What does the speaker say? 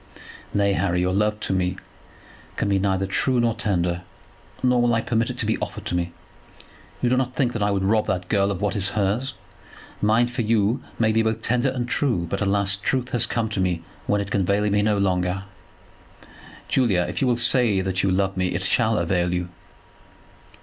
"Nay, Harry, your love to me can be neither true nor tender, nor will I permit it to be offered to me. You do not think I would rob that girl of what is hers. Mine for you may be both tender and true; but, alas, truth has come to me when it can avail me no longer." "Julia, if you will say that you love me, it shall avail you."